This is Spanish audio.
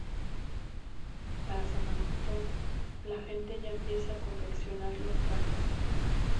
Para San Antón la gente ya empieza a confeccionar los trajes.